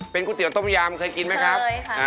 เป็นกุ๊ตเตี๋ยวโต้มยำเคยกินไหมครับ